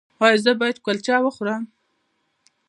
ایا زه باید کلچه وخورم؟